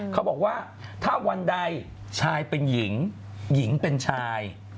เขาบอกว่าถ้าวันใดชายเป็นหญิงหญิงเป็นชาย